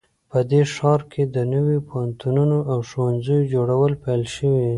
په دې ښار کې د نوو پوهنتونونو او ښوونځیو جوړول پیل شوي